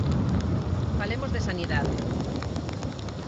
Falemos de sanidade.